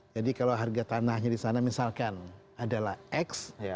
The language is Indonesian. jadi kalau harga tanahnya disana misalkan adalah x